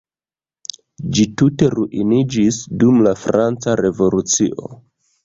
Ĝi tute ruiniĝis dum la franca revolucio.